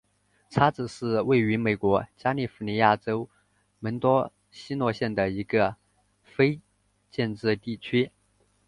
叉子是位于美国加利福尼亚州门多西诺县的一个非建制地区。